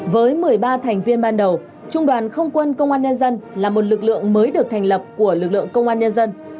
với một mươi ba thành viên ban đầu trung đoàn không quân công an nhân dân là một lực lượng mới được thành lập của lực lượng công an nhân dân